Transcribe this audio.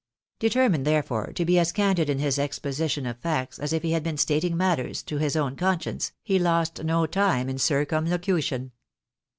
Determined, therefore, to be as candid in his exposition of facts as if he had been stating matters to his own conscience, he lost no time in circumlocution.